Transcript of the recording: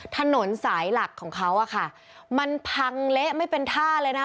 ถนนสายหลักของเขาอ่ะค่ะมันพังเละไม่เป็นท่าเลยนะ